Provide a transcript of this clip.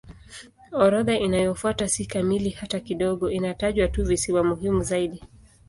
Orodha inayofuata si kamili hata kidogo; inataja tu visiwa muhimu zaidi.